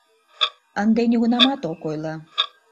Ынде нигунамат ок ойло.